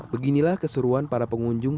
beginilah keseruan para pengunjung